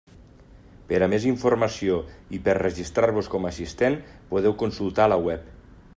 Per a més informació i per registrar-vos com a assistent podeu consultar la web.